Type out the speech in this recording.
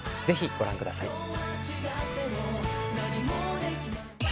ぜひご覧ください。